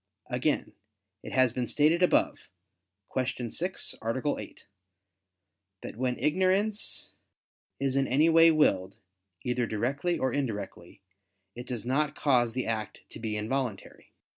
Again, it has been stated above (Q. 6, A. 8) that when ignorance is in any way willed, either directly or indirectly, it does not cause the act to be involuntary.